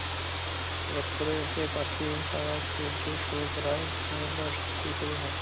হঠাৎ করে এসে প্রার্থী হওয়ার তোড়জোড় শুরু করায় তৃণমূলে অস্বস্তি তৈরি হয়।